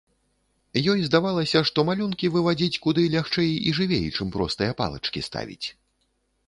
Ёй здавалася, што малюнкі вывадзіць куды лягчэй і жывей, чым простыя палачкі ставіць.